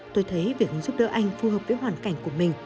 tôi thấy việc giúp đỡ anh phù hợp với hoàn cảnh của mình